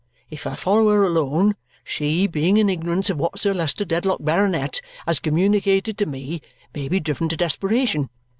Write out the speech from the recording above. If I follow her alone, she, being in ignorance of what Sir Leicester Dedlock, Baronet, has communicated to me, may be driven to desperation.